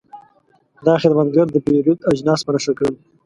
دا خدمتګر د پیرود اجناس په نښه کړل.